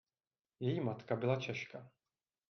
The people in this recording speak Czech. Její matka byla Češka.